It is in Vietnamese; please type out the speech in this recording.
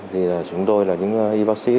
thì chúng tôi là những y bác sĩ